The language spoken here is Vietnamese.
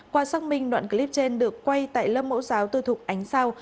qua xác minh đoạn clip trên được quay tại lớp mẫu giáo tư thục ánh sao